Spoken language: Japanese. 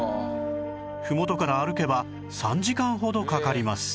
ふもとから歩けば３時間ほどかかります